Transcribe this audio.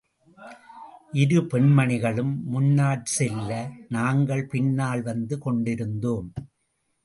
இரு பெண்மணிகளும் முன்னால் செல்ல, நாங்கள் பின்னால் வந்து கொண்டிருந்தோம்.